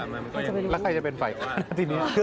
แล้วใครจะเป็นฝ่ายค้านทีนี้